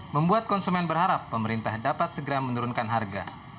membuat konsumen berharap pemerintah dapat segera menurunkan harga